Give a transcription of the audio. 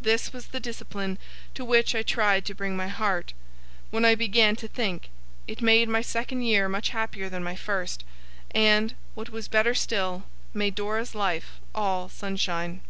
This was the discipline to which I tried to bring my heart, when I began to think. It made my second year much happier than my first; and, what was better still, made Dora's life all sunshine.